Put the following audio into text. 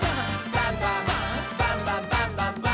バンバン」「バンバンバンバンバンバン！」